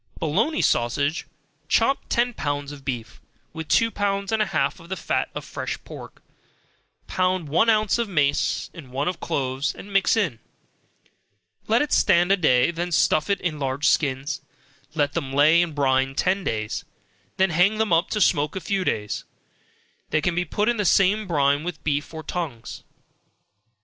Bologna Sausage Chop ten pounds of beef, with two pounds and a half of the fat of fresh pork, pound one ounce of mace, and one of cloves, and mix in, let it stand a day, then stuff it in large skins, let them lay in brine ten days, then hang them up to smoke a few days, they can be put in the same brine with beef or tongues.